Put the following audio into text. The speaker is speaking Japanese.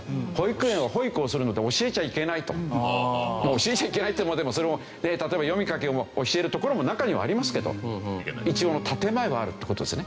教えちゃいけないってまでもそれも例えば読み書きを教える所も中にはありますけど一応の建前はあるって事ですよね。